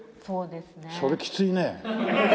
それきついね。